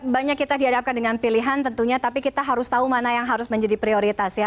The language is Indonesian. banyak kita dihadapkan dengan pilihan tentunya tapi kita harus tahu mana yang harus menjadi prioritas ya